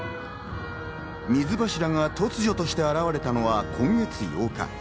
水柱が突如として現れたのは今月８日。